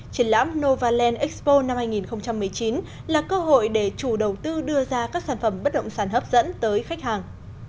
triển lãm novaland expo năm hai nghìn một mươi chín là cơ hội để chủ đầu tư đưa ra các sản phẩm bất động sản hấp dẫn tới khách hàng